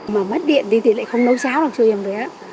mà mất điện thì lại không nấu cháo nào cho em bé